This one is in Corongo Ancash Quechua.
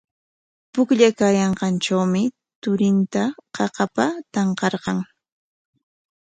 Pukllaykaayanqantrawmi turinta qaqapa tanqarqan.